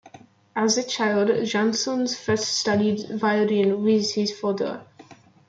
As a child, Jansons first studied violin with his father.